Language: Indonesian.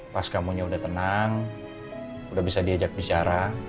pas kamunya udah tenang udah bisa diajak bicara